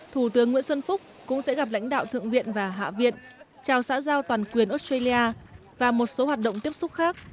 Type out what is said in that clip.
thủ tướng nguyễn xuân phúc cũng sẽ gặp lãnh đạo thượng viện và hạ viện chào xã giao toàn quyền australia và một số hoạt động tiếp xúc khác